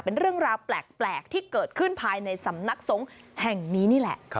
เป็นเรื่องราวแปลกที่เกิดขึ้นภายในสำนักสงฆ์แห่งนี้นี่แหละ